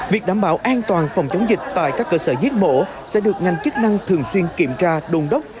việc đảm bảo an toàn phòng chống dịch tại các cơ sở giết mổ sẽ được ngành chức năng thường xuyên kiểm tra đôn đốc